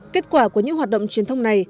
kết quả của những hoạt động truyền thông này